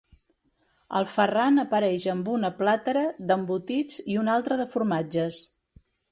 El Ferran apareix amb una plàtera d'embotits i una altra de formatges.